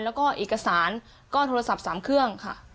แล้วก็เอกสารก็โทรศัพท์๓เครื่องค่ะ